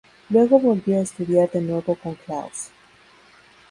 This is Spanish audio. Luego volvió a estudiar de nuevo con Claus.